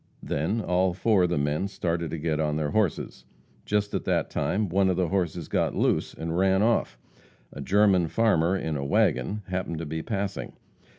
Then all four of the men started to get on their horses. Just at that time one of the horses got loose and ran off. A German farmer, in a wagon, happened to be passing.